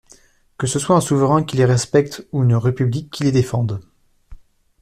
Que ce soit un souverain qui les respecte, ou une République qui les défende!